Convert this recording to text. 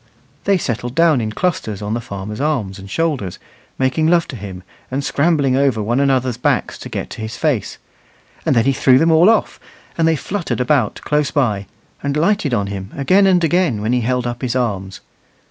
They settled down in clusters on the farmer's arms and shoulders, making love to him and scrambling over one another's backs to get to his face; and then he threw them all off, and they fluttered about close by, and lighted on him again and again when he held up his arms.